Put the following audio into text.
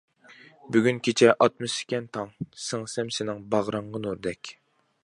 بۈگۈن كېچە ئاتمىسىكەن تاڭ، سىڭسەم سېنىڭ باغرىڭغا نۇردەك.